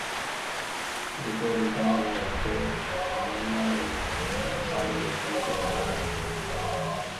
جڪو رڍون رو هتو هان اوئون رو رُکاڙو هيڪ ڌراڙ هتو